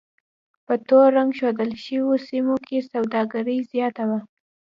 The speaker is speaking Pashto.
په تور رنګ ښودل شویو سیمو کې سوداګري زیاته وه.